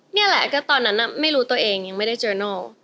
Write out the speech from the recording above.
เนี้ยแหละก็ตอนนั้นน่ะไม่รู้ตัวเองยังไม่ได้ดรอย์ไมดูล